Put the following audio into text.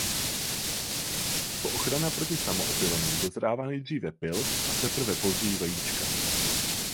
Jako ochrana proti samoopylení dozrává nejdříve pyl a teprve později vajíčka.